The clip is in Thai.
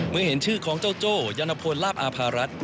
เมื่อเห็นชื่อของเจ้าโจ้ยันพลลาบอาภารัฐ